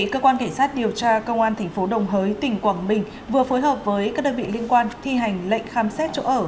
cơ quan cảnh sát điều tra công an tp đồng hới tỉnh quảng bình vừa phối hợp với các đơn vị liên quan thi hành lệnh khám xét chỗ ở